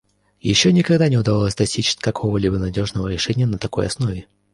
Еще никогда не удавалось достичь какого-либо надежного решения на такой основе.